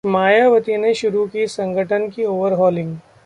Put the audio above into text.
मायावती ने शुरू की संगठन की ‘ओवरहॉलिंग’